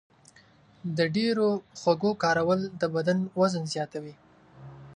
د ډېرو خوږو کارول د بدن وزن زیاتوي.